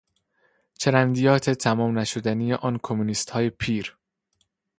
چرندیات تمام نشدنی آن کمونیستهای پیر